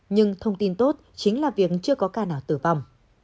nhưng thông tin tốt chính là việc chưa có ca nào tử vong